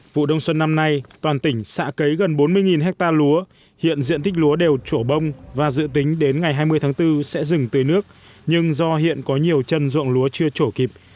vụ đông xuân năm nay toàn tỉnh xạ cấy gần bốn mươi ha lúa hiện diện tích lúa đều trổ bông và dự tính đến ngày hai mươi tháng bốn sẽ dừng tưới nước nhưng do hiện có nhiều chân ruộng lúa chưa trổ kịp